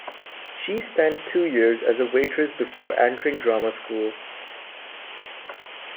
She spent two years as a waitress before entering drama school.